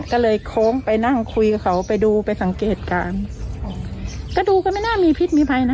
ก็เลยโค้งไปนั่งคุยกับเขาไปดูไปสังเกตการณ์ก็ดูก็ไม่น่ามีพิษมีภัยนะ